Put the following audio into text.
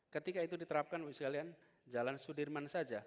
ketika itu diterapkan jalan sudirman saja